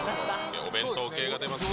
お弁当系が出ますね。